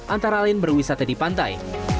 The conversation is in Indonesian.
antara lain berwisata di pantai